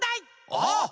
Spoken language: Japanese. あっ！